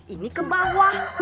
ini ke bawah